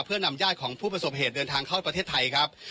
เพื่อนำญาติของผู้ประสบเหตุเดินทางเข้าประเทศไทยครับ